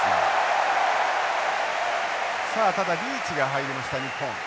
さあただリーチが入りました日本。